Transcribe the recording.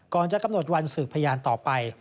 ก่อนจะกำหนดวันสืบพยานต่อไป